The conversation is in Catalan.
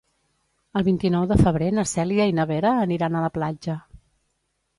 El vint-i-nou de febrer na Cèlia i na Vera aniran a la platja.